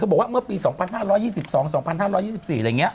บอกว่าเมื่อปี๒๕๒๒๒๕๒๔อะไรอย่างนี้